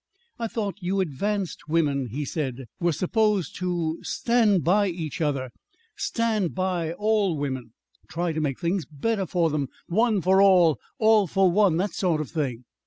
"I thought you advanced women," he said, "were supposed to stand by each other stand by all women try to make things better for them. One for all all for one. That sort of thing.